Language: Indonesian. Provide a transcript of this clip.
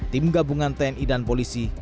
tim gabungan tni dan polisi